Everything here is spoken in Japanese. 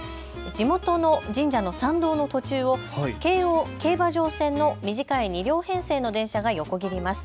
地元の神社の参道の途中を京王競馬場線の短い２両編成の電車が横切ります。